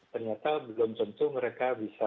ternyata belum tentu mereka bisa